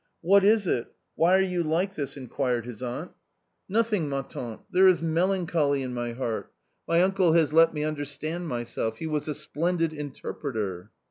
" What is it ? why are you like this ?" inquired his aunt. " Nothing, ma tante ; there is melancholy in my heart. My uncle has let me understand myself; he was a splendid interpreter